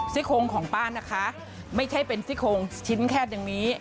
สิคงของป้านะคะไม่ใช่เป็นสิคงชิ้นแค่นึงนี้